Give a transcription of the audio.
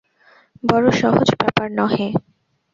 বড়ো সহজ ব্যাপার নহে।